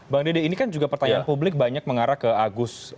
bang dede ini kan juga pertanyaan publik banyak mengarah ke agus